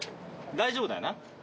大丈夫だよな？